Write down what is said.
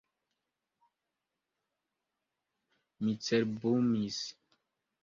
Mi cerbumis.